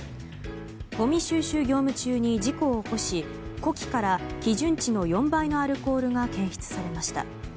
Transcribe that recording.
ごみ収集業務中に事故を起こし呼気から基準値の４倍のアルコールが検出されました。